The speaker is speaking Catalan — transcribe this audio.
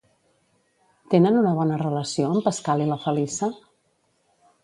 Tenen una bona relació en Pascal i la Feliça?